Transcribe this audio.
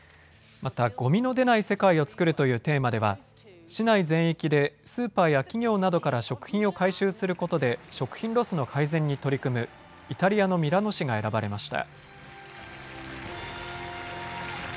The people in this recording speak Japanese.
またゴミの出ない世界を作るというテーマでは市内全域でスーパーや企業などから食品を回収することで食品ロスの改善に取り組むイタリアのミラノ市が選ばれました。